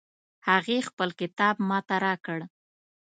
هغې خپل کتاب ما ته راکړ